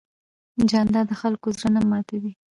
جانداد د خلکو زړه نه ماتوي.